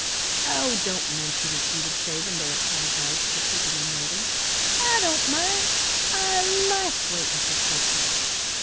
"Oh, don't mention it," he would say when they apologized for keeping him waiting. "I don't mind. I like waiting for slow pokes!